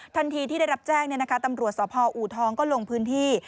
ทันทีที่ได้รับแจ้งตำรวจสพอูทองก็ลงพื้นที่